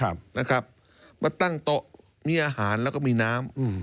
มาตั้งโต๊ะมีอาหารแล้วก็มีน้ำ